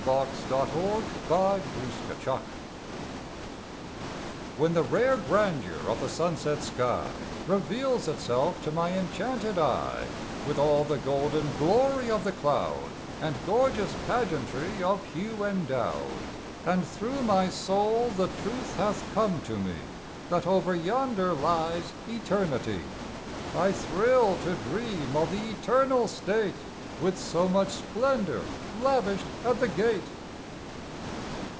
December Sixth AT SUNSET 117 HEN the rare grandeur of the sunset t sky Reveals itself to my enchanted eye With all the golden glory of the cloud, And gorgeous pageantry of hue endowed, And through my soul the truth hath come to me That over yonder lies Eternity, I thrill to dream of the Eternal State With so much splendor lavished at the Gate.